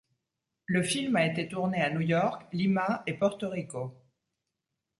Le film a été tourné à New York, Lima et Porto Rico.